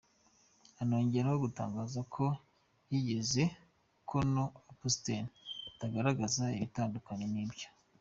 Anongeraho gutangaza ko yizeye ko na autopsie itazagaragaza ibitandukanye n’ibyo.